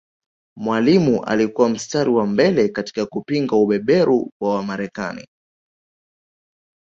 Mwalimu alikuwa mstari wa mbele katika kupinga ubeberu wa Marekani